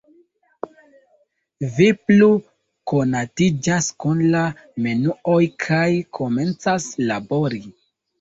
Vi plu konatiĝas kun la menuoj kaj komencas labori.